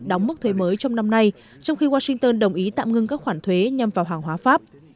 đóng mức thuê mới trong năm nay trong khi washington đồng ý tạm ngưng các khoản thuế nhằm vào hàng hóa pháp